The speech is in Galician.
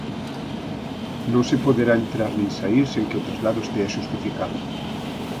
Non se poderá entrar nin saír sen que o traslado estea xustificado.